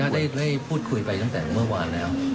ได้พูดคุยไปตั้งแต่เมื่อวานแล้ว